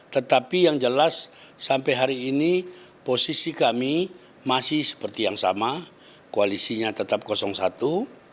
tetapi yang jelas sampai hari ini posisi kami masih seperti yang sama koalisinya tetap kosong satu